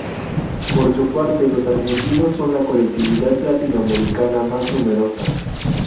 Por su parte, los argentinos son la colectividad latinoamericana más numerosa.